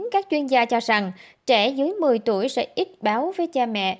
các chuyên gia cho rằng trẻ dưới một mươi tuổi sẽ ít báo với cha mẹ